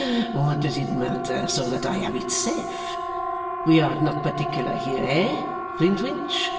What does it matter, so that I have it safe? We are not particular here; hey, Flintwinch?